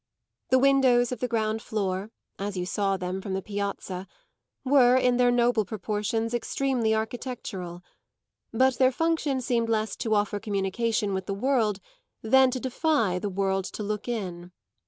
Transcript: The windows of the ground floor, as you saw them from the piazza, were, in their noble proportions, extremely architectural; but their function seemed less to offer communication with the world than to defy the world to look in.